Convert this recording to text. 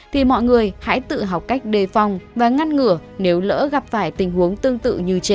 thì mọi người hãy tự học cách đề phòng và ngăn ngửa nếu lỡ gặp phải tình huống tương tự như trên